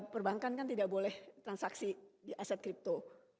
perbankan kan tidak boleh transaksi aset crypto